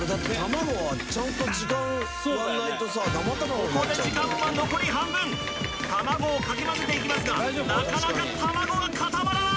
ここで時間は残り半分卵をかき混ぜていきますがなかなか卵が固まらない